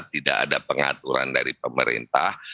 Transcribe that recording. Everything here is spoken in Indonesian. tidak ada pengaturan dari pemerintah